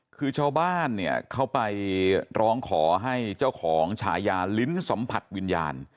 คือชาวบ้านเนี่ยเขาไปร้องขอให้เจ้าของฉายาลิ้นสัมผัสวิญญาณ